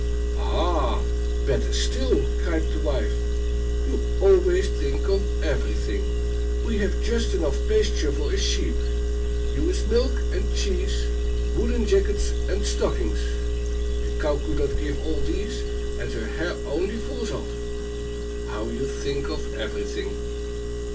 "Ah, better still!" cried the wife. "You always think of everything; we have just enough pasture for a sheep. Ewe's milk and cheese, woollen jackets and stockings! The cow could not give all these, and her hair only falls off. How you think of everything!"